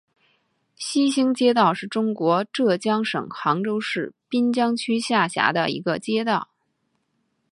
西兴街道是中国浙江省杭州市滨江区下辖的一个街道。